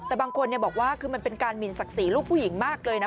แต่บางคนบอกว่าคือมันเป็นการหมินศักดิ์ศรีลูกผู้หญิงมากเลยนะ